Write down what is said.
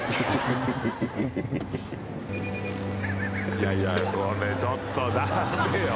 いやいやこれちょっと駄目よ。